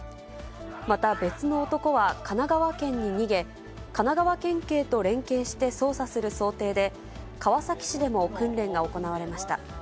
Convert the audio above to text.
また別の男は神奈川県に逃げ、神奈川県警と連携して捜査する想定で、川崎市でも訓練が行われました。